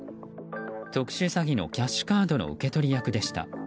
特殊詐欺のキャッシュカードの受け取り役でした。